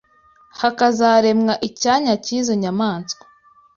hakazaremwa icyanya cy’izo nyamanswa